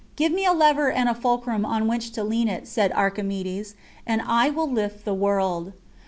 "Give me a lever and a fulcrum on which to lean it," said Archimedes, "and I will lift the world."